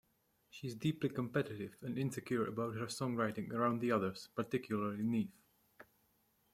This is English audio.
She's deeply competitive and insecure about her songwriting around the others, particularly Neve.